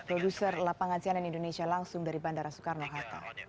producer lapangan sianen indonesia langsung dari bandara soekarno hatta